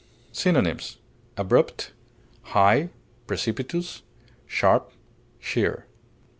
Synonyms: abrupt, high, precipitous, sharp, sheer.